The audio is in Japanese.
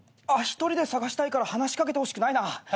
あっ１人で探したいから話し掛けてほしくないな。